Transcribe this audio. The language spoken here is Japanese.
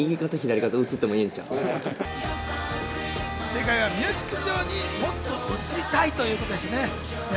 正解はミュージックビデオにもっと映りたいということでしたね。